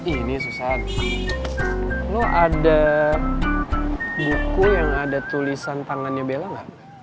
ini susah lo ada buku yang ada tulisan tangannya bella gak